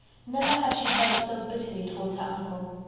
Never had she felt so bitterly towards her uncle.